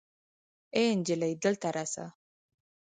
آې انجلۍ دلته راسه